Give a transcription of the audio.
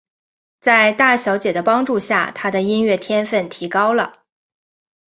在大小姐的帮助下他的音乐天份提高了。